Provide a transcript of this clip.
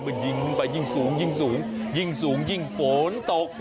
มันยิงขึ้นไปยิ่งสูงยิ่งสูงยิ่งสูงยิ่งฝนตก